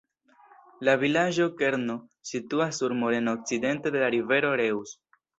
La vilaĝo-kerno situas sur moreno okcidente de la rivero Reuss.